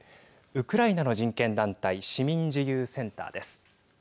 ウクライナの人権団体市民自由センターです。